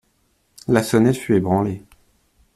La sonnette fut ébranlée.